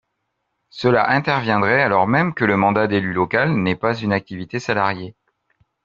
Cela interviendrait alors même que le mandat d’élu local n’est pas une activité salariée.